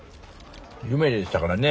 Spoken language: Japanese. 夢でしたからね